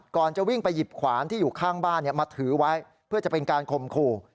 จะวิ่งไปหยิบขวานที่อยู่ข้างบ้านมาถือไว้เพื่อจะเป็นการข่มขู่